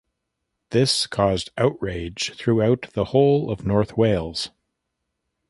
This caused outrage throughout the whole of North Wales.